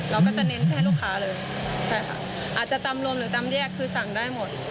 เราก็จะเน้นให้ลูกค้าเลยใช่ค่ะอาจจะตำลมหรือตำแยกคือสั่งได้หมด